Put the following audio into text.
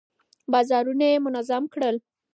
بازارونه يې منظم کړل.